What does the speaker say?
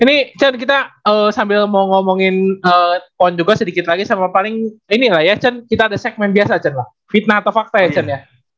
ini chan kita sambil mau ngomongin poin juga sedikit lagi sama paling ini lah ya chan kita ada segmen biasa cen lah fitnah atau fakta ya channe ya